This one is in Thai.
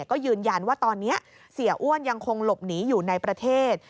ก็ยืนยันว่าตอนนี้เสียอ้วนยังคงหลบหนีอยู่ในประเทศ